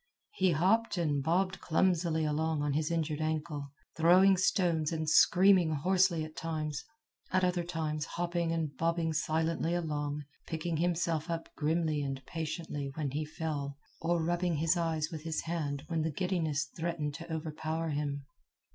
He hopped and bobbed clumsily along on his injured ankle, throwing stones and screaming hoarsely at times; at other times hopping and bobbing silently along, picking himself up grimly and patiently when he fell, or rubbing his eyes with his hand when the giddiness threatened to overpower him.